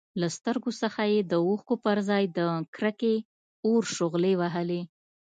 له سترګو څخه يې د اوښکو پرځای د کرکې اور شغلې وهلې.